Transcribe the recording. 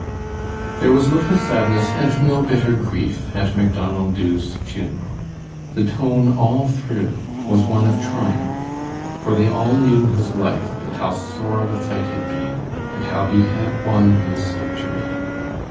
There was little sadness and no bitter grief at Macdonald Dubh's funeral. The tone all through was one of triumph, for they all knew his life, and how sore the fight had been, and how he had won his victory.